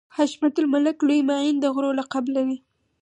حشمت الملک لوی معین د غرو لقب لري.